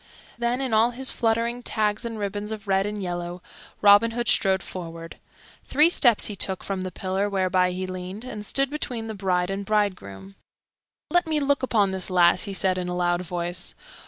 Then, in all his fluttering tags and ribbons of red and yellow, Robin Hood strode forward. Three steps he took from the pillar whereby he leaned, and stood between the bride and bridegroom. "Let me look upon this lass," he said in a loud voice.